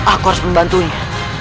aku harus membantunya